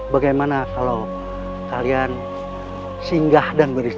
bagaimana kalau kalian singgah dan beristira